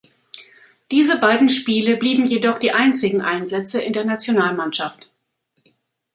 Diese beiden Spiele blieben jedoch die einzigen Einsätze in der Nationalmannschaft.